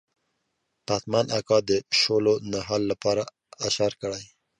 پتمن اکا د شولو نهال لپاره اشر کړی.